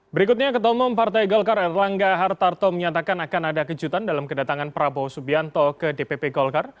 berikutnya ketomong partai golkar erlangga hartarto menyatakan akan ada kejutan dalam kedatangan prabowo subianto ke dpp golkar